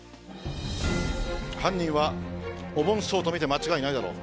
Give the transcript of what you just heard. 犯人はおぼん師匠とみて間違いないだろう。